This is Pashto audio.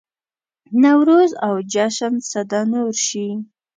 نوروز او جشن سده نور شي.